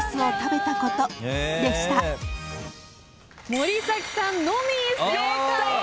森崎さんのみ正解です。